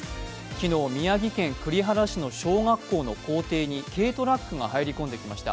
昨日、宮城県栗原市の小学校の校庭に軽トラックが入りこんできました。